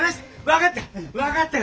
分かった。